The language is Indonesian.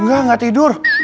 nggak nggak tidur